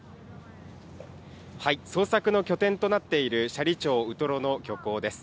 捜索の拠点となっている斜里町ウトロの漁港です。